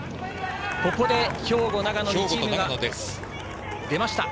ここで兵庫、長野の２チームが出ました。